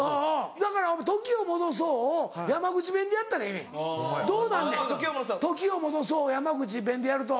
だからお前「時を戻そう」を山口弁でやったらええねん。どうなんねん「時を戻そう」を山口弁でやると。